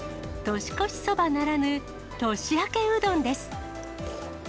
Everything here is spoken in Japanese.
年越しそばならぬ、年明けうどんです。